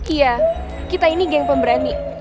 iya kita ini geng pemberani